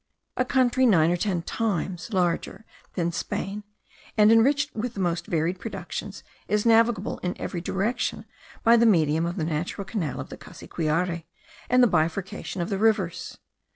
A country nine or ten times larger than Spain, and enriched with the most varied productions, is navigable in every direction by the medium of the natural canal of the Cassiquiare, and the bifurcation of the rivers.